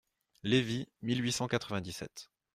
Lévy, mille huit cent quatre-vingt-dix-sept.